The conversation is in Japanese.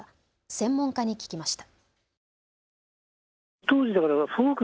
専門家に聞きました。